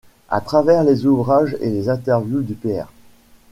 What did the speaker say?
À travers les ouvrages et les interviews du pr.